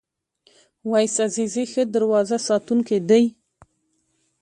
اویس عزیزی ښه دروازه ساتونکی دی.